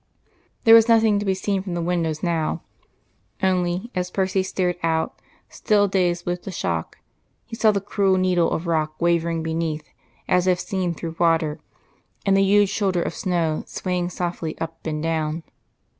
There was nothing to be seen from the windows now. Only, as Percy stared out, still dazed with the shock, he saw the cruel needle of rock wavering beneath as if seen through water, and the huge shoulder of snow swaying softly up and down.